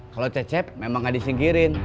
kalau cecep memang nggak disingkirin